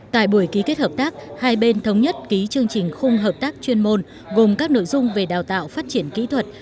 tại buổi ký kết hợp tác hai bên thống nhất ký chương trình khung hợp tác chuyên môn gồm các nội dung về đào tạo phát triển kỹ thuật